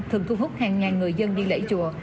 thường thu hút hàng ngàn người dân đi lễ chùa